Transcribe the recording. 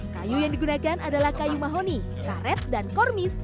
kayu yang digunakan adalah kayu mahoni karet dan kormis